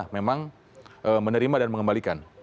memang menerima dan mengembalikan